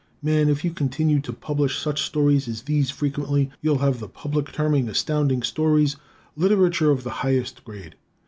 Man, if you continue to publish such stories as these frequently, you'll have the public terming Astounding Stories literature of the highest grade!